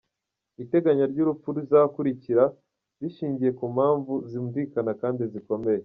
Iteganya ry’urupfu ruzakurikira bishingiye ku mpamvu zumvikana kandi zikomeye.